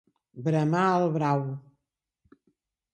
Bramar el brau.